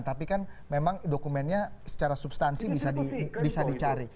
tapi kan memang dokumennya secara substansi bisa dicari